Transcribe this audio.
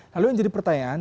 lalu yang jadi pertanyaan